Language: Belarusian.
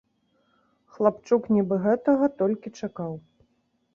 Хлапчук нібы гэтага толькі чакаў.